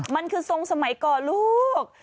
มันคือทรงสมัยก่อนลูก